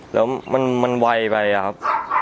แล้วมันมันไวไปครับ